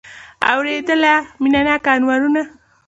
اورېدله مینه ناکه انوارونه